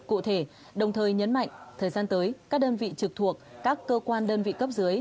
cụ thể đồng thời nhấn mạnh thời gian tới các đơn vị trực thuộc các cơ quan đơn vị cấp dưới